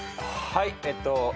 はい。